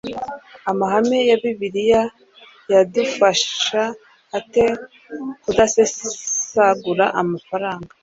Amahame ya Bibiliya yadufasha ate kudasesagura amafaranga?